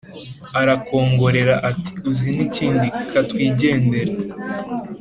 arakongorera ati uzi n ikindi katwigendere.